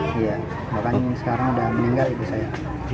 iya makanya sekarang sudah meninggal ibu saya